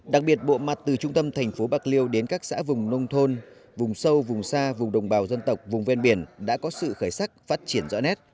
đặc biệt bộ mặt từ trung tâm thành phố bạc liêu đến các xã vùng nông thôn vùng sâu vùng xa vùng đồng bào dân tộc vùng ven biển đã có sự khởi sắc phát triển rõ nét